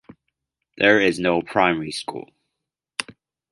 There is no primary school.